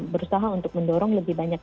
berusaha untuk mendorong lebih banyak